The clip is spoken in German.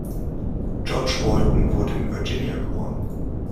George Walton wurde in Virginia geboren.